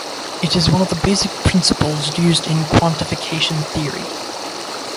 It is one of the basic principles used in quantification theory.